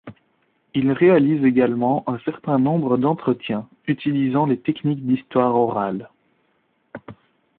Il réalise également un certain nombre d'entretiens, utilisant les techniques d'histoire orale.